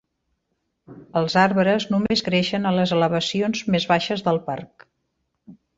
Els arbres només creixen a les elevacions més baixes del parc.